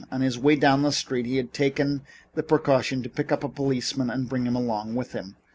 On his way down the street he had taken the precaution to pick up a policeman and bring him along with him.